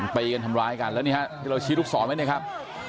ไปกันทำร้ายกันแล้วนี่ฮะเราชี้ลูกศรไหมเนี้ยครับ